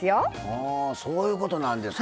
はぁそういうことなんですか。